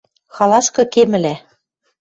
Халашкы кемӹлӓ.